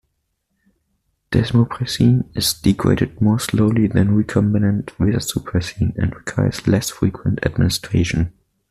Desmopressin is degraded more slowly than recombinant vasopressin, and requires less frequent administration.